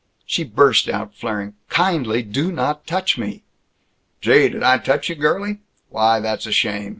She burst out, flaring, "Kindly do not touch me!" "Gee, did I touch you, girlie? Why, that's a shame!"